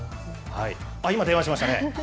あっ、今、電話しましたね。